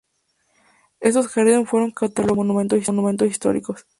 Estos jardines fueron catalogados como monumentos históricos.